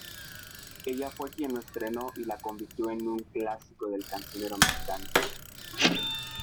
Ella fue quien la estrenó y la convirtió en un clásico del cancionero mexicano.